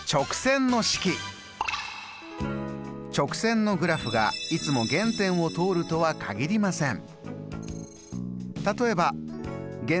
直線のグラフがいつも原点を通るとは限りません。